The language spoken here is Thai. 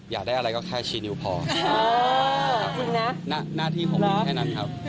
น่าที่ของตัวก็แค่นั้นครับ